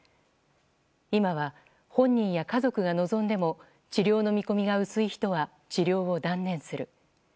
今は本人や家族が望んでも治療の見込みが薄い人は治療を断念する。